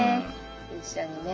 一緒にね。